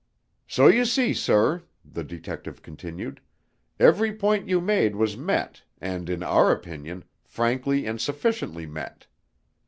"So you see, sir," the detective continued, "every point you made was met, and in our opinion, frankly and sufficiently met.